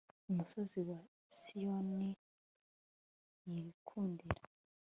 umusozi wa siyoni yikundira